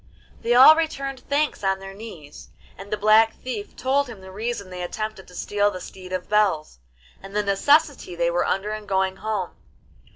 They all returned thanks on their knees, and the Black Thief told him the reason they attempted to steal the Steed of Bells, and the necessity they were under in going home.